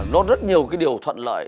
nó rất nhiều cái điều thuận lợi